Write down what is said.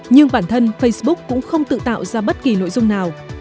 nhưng bản thân facebook cũng không tự tạo ra bất kỳ nội dung nào